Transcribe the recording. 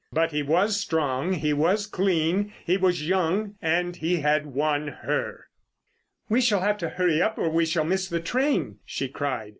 But he was strong, he was clean, he was young. And he had won her. "We shall have to hurry up or we shall miss the train," she cried.